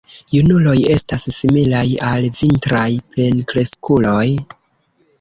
Junuloj estas similaj al vintraj plenkreskuloj.